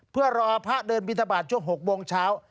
เพื่อรอพระเดินบินทบาทช่วง๖โมงเช้า